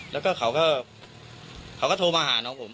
แล้วก็เขาก็โทรมาหาน้องผม